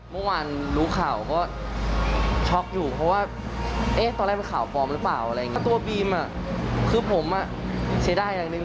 เมื่อวานลุข่๋วก็อ่ะเช็ดอย่างหนึ่ง